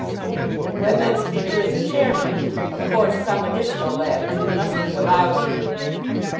And, when that speaker is a chairman, of course some additional latitude must be allowed to him.